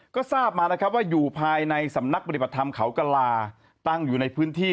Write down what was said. ก็ทราบมานะครับว่าอยู่ภายในสำนักปฏิบัติธรรมเขากลาตั้งอยู่ในพื้นที่